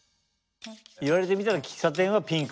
言われてみたら喫茶店はピンク。